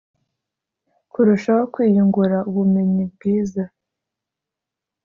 kurushaho kwiyungura ubumenyi. bwiza